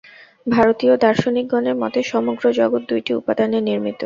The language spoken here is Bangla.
ভারতীয় দার্শনিকগণের মতে সমগ্র জগৎ দুইটি উপাদানে নির্মিত।